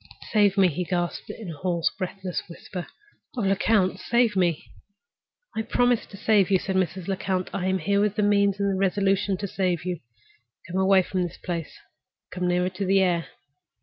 "Save me!" he gasped, in a hoarse, breathless whisper. "Oh, Lecount, save me!" "I promise to save you," said Mrs. Lecount; "I am here with the means and the resolution to save you. Come away from this place—come nearer to the air."